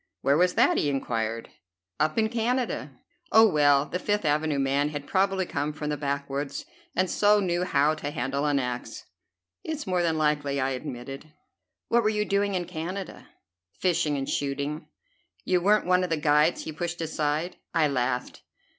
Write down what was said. "Where was that?" he inquired. "Up in Canada." "Oh, well, the Fifth Avenue man had probably come from the backwoods and so knew how to handle an axe." "It's more than likely," I admitted. "What were you doing in Canada?" "Fishing and shooting." "You weren't one of the guides he pushed aside?" I laughed.